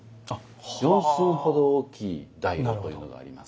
四寸ほど大きい大炉というのがあります。